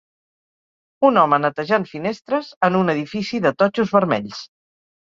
Un home netejant finestres en un edifici de totxos vermells.